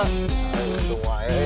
nggak ada yang untung woy